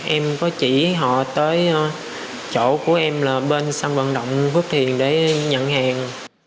em có chỉ họ tới chỗ của em là bên sân vận động phước thiền để nhận hàng